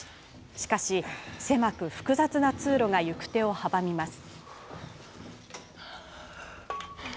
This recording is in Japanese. しかし、狭く複雑な通路が行く手を阻みます。